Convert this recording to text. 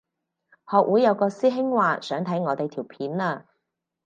學會有個師兄話想睇我哋條片啊